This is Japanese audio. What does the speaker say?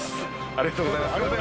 ありがとうございます。